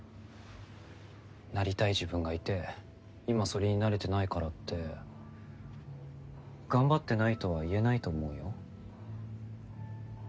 なりたい自分がいて今それになれてないからって頑張ってないとは言えないと思うよ。